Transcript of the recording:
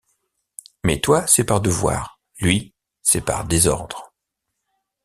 Mais toi, c’est par devoir ; lui, c’est par désordre.